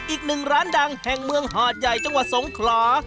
อีกหนึ่งร้านดังแห่งเมืองหาดใหญ่จังหวัดสงขลา